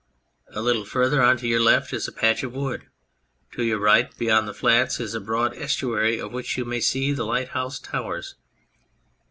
A little further on to your left is a patch of wood ; to your right, beyond the flats, is a broad estuary of which you may see the lighthouse towers.